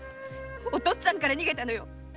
お父っつぁんから逃げたのよ！